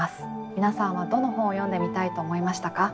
皆さんはどの本を読んでみたいと思いましたか？